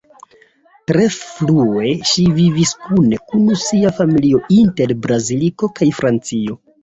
Tre frue, ŝi vivis kune kun sia familio inter Brazilo kaj Francio.